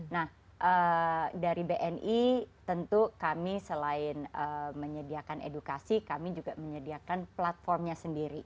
nah dari bni tentu kami selain menyediakan edukasi kami juga menyediakan platformnya sendiri